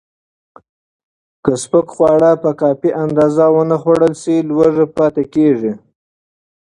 که سپک خواړه په کافي اندازه ونه خورل شي، لوږه پاتې کېږي.